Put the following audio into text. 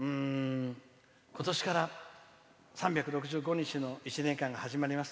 今年から３６５日の１年間が始まります。